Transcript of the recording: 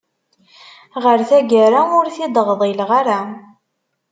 Ɣer tagara ur t-id-ɣḍileɣ ara.